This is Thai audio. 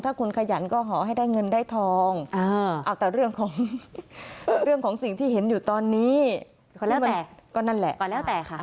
ถ้าคุณขยันก็หอให้ได้เงินได้ทองแต่เรื่องของสิ่งที่เห็นอยู่ตอนนี้ก็นั่นแหละ